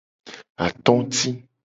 Atoti.